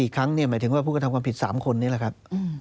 อีกครั้งหมายถึงว่าผู้กระทำความผิด๓คนนี้แหละครับ